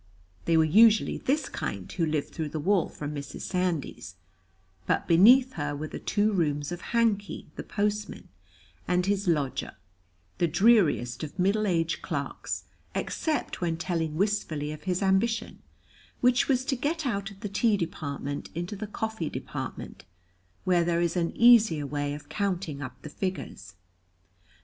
They were usually this kind who lived through the wall from Mrs. Sandys, but beneath her were the two rooms of Hankey, the postman, and his lodger, the dreariest of middle aged clerks except when telling wistfully of his ambition, which was to get out of the tea department into the coffee department, where there is an easier way of counting up the figures.